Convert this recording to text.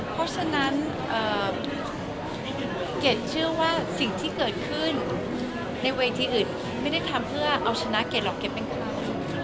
เพราะฉะนั้นเกดเชื่อว่าสิ่งที่เกิดขึ้นในเวทีอื่นไม่ได้ทำเพื่อเอาชนะเกดหรอกเกรดเป็นใคร